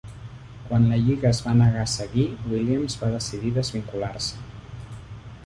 Quan la lliga es va negar a seguir, Williams va decidir desvincular-se.